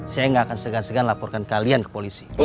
saya nggak akan segan segan laporkan kalian ke polisi